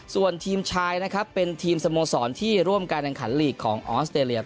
ส่วนทีมชายนะครับเป็นทีมสโมสรที่ร่วมการแข่งขันลีกของออสเตรเลีย